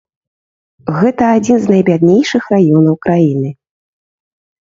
Гэта адзін з найбяднейшых раёнаў краіны.